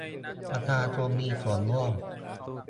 ประชาชนมีส่วนร่วม